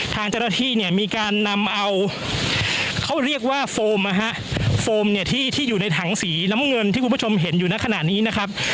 ทางเจ้าหน้าที่เนี่ยมีการนำเอาเขาเรียกว่าโฟมนะฮะโฟมเนี่ยที่อยู่ในถังสีน้ำเงินที่คุณผู้ชมเห็นอยู่ในขณะนี้นะครับ